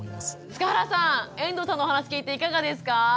塚原さん遠藤さんのお話聞いていかがですか？